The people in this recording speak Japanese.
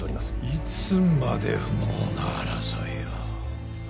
いつまで不毛な争いを。